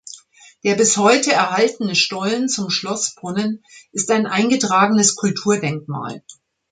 Der bis heute erhaltene Stollen zum Schlossbrunnen ist ein eingetragenes Kulturdenkmal.